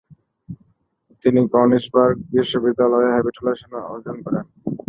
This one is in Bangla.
তিনি কনিসবার্গ বিশ্ববিদ্যালয়ে হ্যাবিটিলেশন অর্জন করেন।